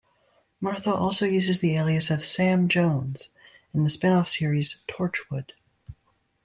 Martha also uses the alias of "Sam Jones" in the spin-off series "Torchwood".